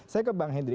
saya ke bang hendry